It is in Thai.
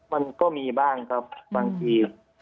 มันก็มีบ้างครับบางที